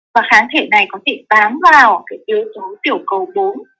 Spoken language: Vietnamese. và kháng thể này có thể bám vào yếu tố tiểu cầu bốn